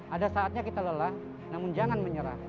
ada saatnya kita lelah namun jangan menyerah